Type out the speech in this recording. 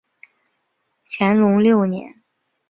乾隆六年。